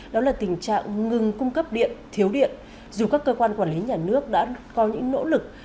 đó là tình trạng ngừng cung cấp điện thiếu điện dù các cơ quan quản lý nhà nước đã có những nỗ lực